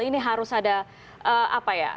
ini harus ada apa ya